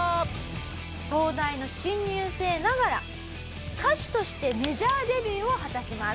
東大の新入生ながら歌手としてメジャーデビューを果たします。